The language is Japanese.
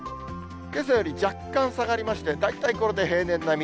けさより若干下がりまして、大体これで平年並み。